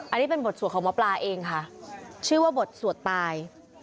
อันนี้เป็นบทสวดของหมอปลาเองค่ะชื่อว่าบทสวดตาย